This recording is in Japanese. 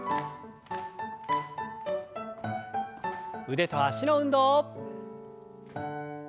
腕と脚の運動。